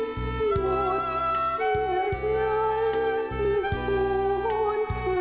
ปวดร้าวปวดร้าวเดี๋ยวใจมองไว้